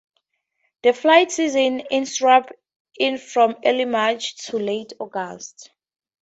The flight season in Cyprus in from early March to late August.